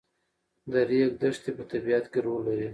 د ریګ دښتې په طبیعت کې رول لري.